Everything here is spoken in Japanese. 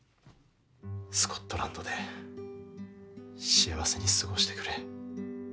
スコットランドで幸せに過ごしてくれ。